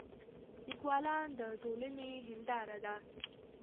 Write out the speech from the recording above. لیکوالان د ټولنې هنداره ده.